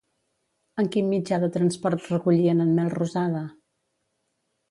En quin mitjà de transport recollien en Melrosada?